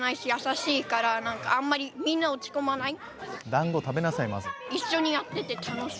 だんご食べなさいまず。